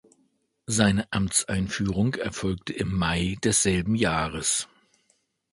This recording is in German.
Seine Amtseinführung erfolgte im Mai desselben Jahres.